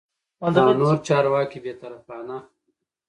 او نور چارواکي بې طرفانه